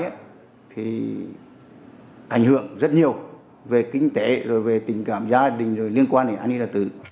đối tượng rất nhiều về kinh tế về tình cảm gia đình liên quan đến anh y là tử